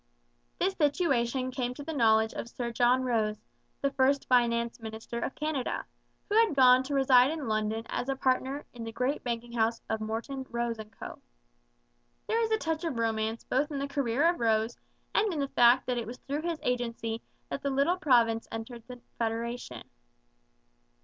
This situation came to the knowledge of Sir John Rose, the first finance minister of Canada, who had gone to reside in London as a partner in the great banking house of Morton, Rose and Co. There is a touch of romance both in the career of Rose and in the fact that it was through his agency that the little province entered the federation.